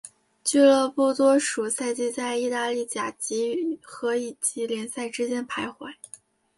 俱乐部多数赛季在意大利甲级和乙级联赛之间徘徊。